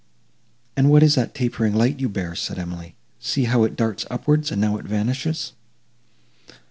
"And what is that tapering light you bear?" said Emily, "see how it darts upwards,—and now it vanishes!"